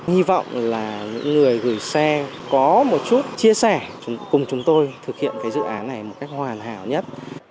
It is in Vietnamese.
hy vọng là những người gửi xe có một chút chia sẻ cùng chúng tôi thực hiện cái dự án này một cách hoàn hảo nhất